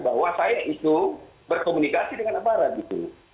bahwa saya itu berkomunikasi dengan aparat gitu